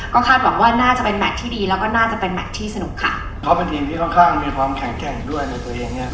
ก็คาดหวังว่าน่าจะเป็นแมทที่ดีแล้วก็น่าจะเป็นแมทที่สนุกค่ะเขาเป็นทีมที่ค่อนข้างมีความแข็งแกร่งด้วยในตัวเองเนี้ย